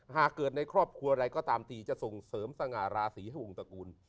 หากเกิดในครอบครัวอะไรก็ตามทีจะส่งเสริมสง่าราศีให้องค์ตระกูล